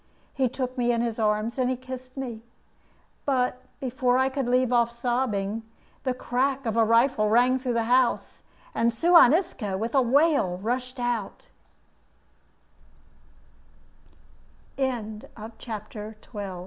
He took me in his arms and kissed me; but before I could leave off sobbing, the crack of a rifle rang through the house, and Suan Isco, with a wail, rushed o